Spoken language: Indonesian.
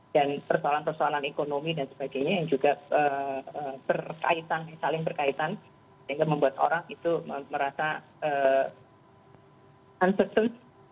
persoalan persoalan ekonomi dan sebagainya yang juga saling berkaitan sehingga membuat orang itu merasa uncertain